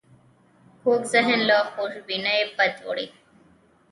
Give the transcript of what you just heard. کوږ ذهن له خوشبینۍ بد وړي